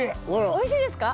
おいしいですか？